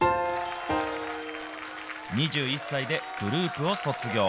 ２１歳でグループを卒業。